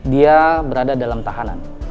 dia berada dalam tahanan